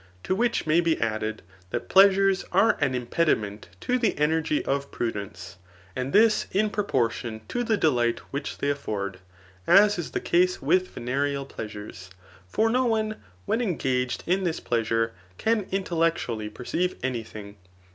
To which may be added, that pleasures are an impediment to the energy of prudence, and this in proportion to the delight whidi they aflfbrd ; as is the case \dth venereal pleasure.; for no one, when engaged in this pleasure, can intellectually perceive any thing.